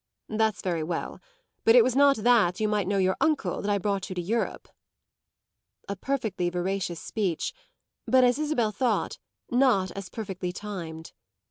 "That's very well. But it was not that you might know your uncle that I brought you to Europe." A perfectly veracious speech; but, as Isabel thought, not as perfectly timed.